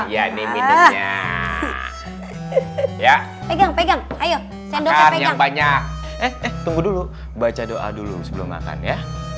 ya pegang pegang ayo yang banyak eh eh tunggu dulu baca doa dulu sebelum makan ya